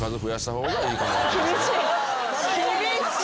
厳しい！